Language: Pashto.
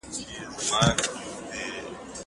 دا چي مي اوس پېژني په هر کلي کي ټول خلګ